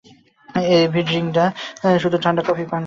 এ ভি ড্রিংক করে না, শুধু ঠান্ডা কফি পান করে।